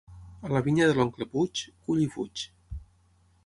A la vinya de l'oncle Puig, cull i fuig.